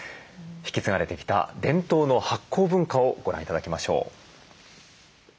引き継がれてきた伝統の発酵文化をご覧頂きましょう。